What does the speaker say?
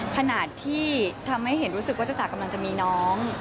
ขนาดที่ทำให้เห็นรู้สึกว่าเจ้าตากำลังจะมีน้อง